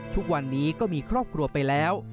ทุกวันนี้ก็มีครอบครัวไปแล้ว